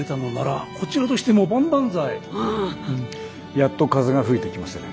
やっと風が吹いてきましたね。